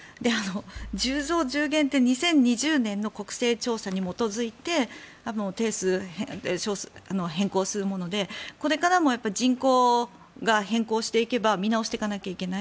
１０増１０減って２０２０年の国勢調査に基づいて定数を変更するものでこれからも人口が変更していけば見直していかないといけない。